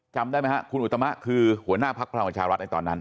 จำได้ไหมครับคุณอุตมะคือหัวหน้าพักพลังประชารัฐในตอนนั้น